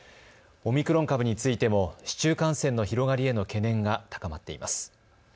オミクロン株についても市中感染の広がりへの懸念が高まっています。